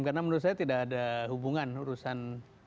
karena menurut saya tidak ada hubungan urusan